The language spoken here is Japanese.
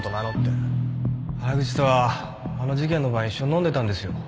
原口とはあの事件の晩一緒に飲んでたんですよ。